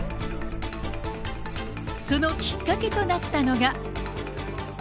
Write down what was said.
そのきっかけとなったのが。